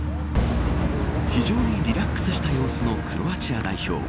非常にリラックスした様子のクロアチア代表。